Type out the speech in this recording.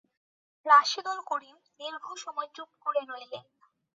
রাশেদুল করিম দীর্ঘ সময় চুপ করে রইলেন।